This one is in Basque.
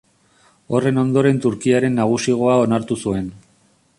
Horren ondoren Turkiarren nagusigoa onartu zuen.